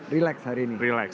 relax hari ini